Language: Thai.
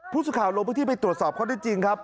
ผู้สื่อข่าวลงพื้นที่ไปตรวจสอบข้อได้จริงครับ